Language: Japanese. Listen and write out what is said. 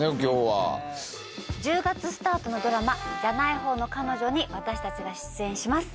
１０月スタートのドラマ『じゃない方の彼女』に私たちが出演します。